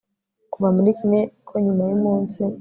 Kuva muri kimwe ko nyuma yumunsi